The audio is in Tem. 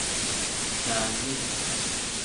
Daazi.